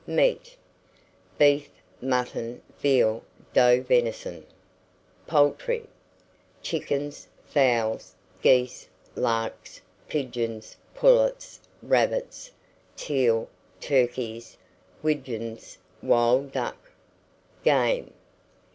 MEAT. Beef, mutton, veal, doe venison. POULTRY. Chickens, fowls, geese, larks, pigeons, pullets, rabbits, teal, turkeys, widgeons, wild duck. GAME.